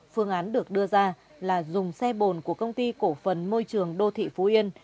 phương án được đưa ra là dùng xe bồn của công ty cổ phần môi trường đô thị phú yên